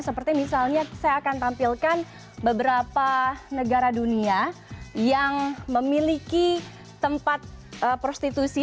seperti misalnya saya akan tampilkan beberapa negara dunia yang memiliki tempat prostitusi